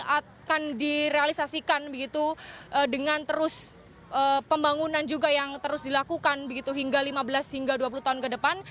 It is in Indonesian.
akan direalisasikan begitu dengan terus pembangunan juga yang terus dilakukan begitu hingga lima belas hingga dua puluh tahun ke depan